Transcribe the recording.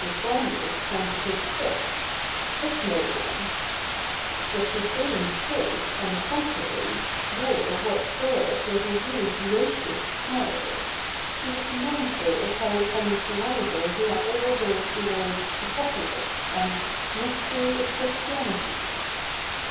Saunders clenched his fist — a small one. Dr. Sey don's face, on the contrary, wore what for it was a really gracious smile. He was mindful of how upon his arrival he had overheard the words ' Apoca lypse ' and ' mystery of Christianity.'